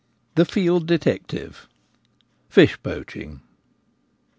THE FIELD DETECTIVE — FISH POACHING.